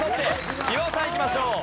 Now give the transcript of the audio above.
岩尾さんいきましょう。